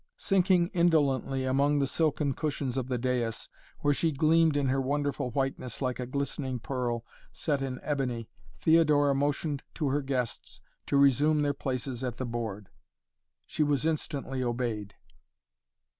Sinking indolently among the silken cushions of the dais, where she gleamed in her wonderful whiteness like a glistening pearl, set in ebony, Theodora motioned to her guests to resume their places at the board. She was instantly obeyed.